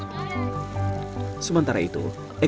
sementara itu ekobriknya akan dikumpulkan ke dalam kotak